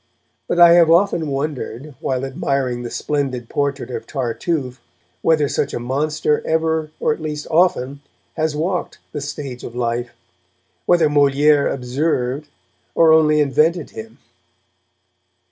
But I have often wondered, while admiring the splendid portrait of Tartuffe, whether such a monster ever, or at least often, has walked the stage of life; whether Moliere observed, or only invented him.